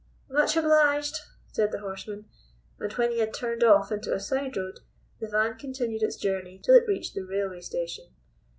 "Much obliged," said the horseman, and, when he had turned off into a side road, the van continued its journey till it reached the railway station.